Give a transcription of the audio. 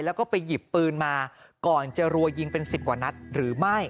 แล้วก็ไปหยิบปืนมาก่อนจะรัวยิงเป็น๑๐กว่านัดหรือไม่